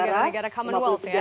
negara negara commonwealth ya